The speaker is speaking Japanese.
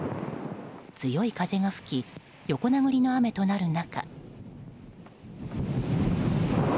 強い風が吹き横殴りの雨となる中。